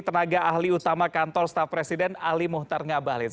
tenaga ahli utama kantor staf presiden ali muhtar ngabalin